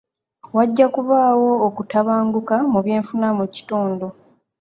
Wajja kubaawo okutabanguka mu byenfuna mu kitundu.